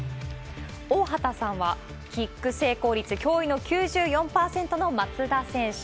大畑さんは、キック成功率、驚異の９４％の松田選手。